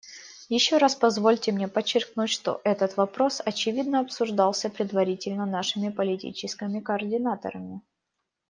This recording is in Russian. Еще раз позвольте мне подчеркнуть, что этот вопрос, очевидно, обсуждался предварительно нашими политическими координаторами.